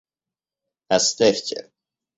— Оставьте.